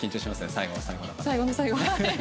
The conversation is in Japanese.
最後の最後はい。